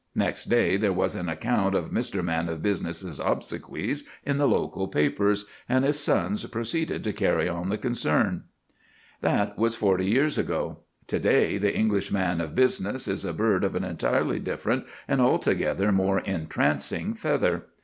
Next day there was an account of Mr. Man of Business's obsequies in the local papers, and his sons proceeded to carry on the concern. That was forty years ago. To day the English man of business is a bird of an entirely different and altogether more entrancing feather.